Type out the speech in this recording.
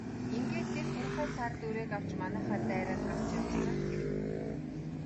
Ингээд тэр туранхай саарал үрээг авч манайхаар дайраад гарч явсан хэрэг.